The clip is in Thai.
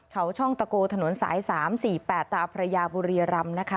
เขาช่องตะโกถนนสาย๓๔๘ตาพระยาบุรีรำนะคะ